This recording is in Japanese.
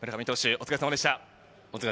お疲れさまでした。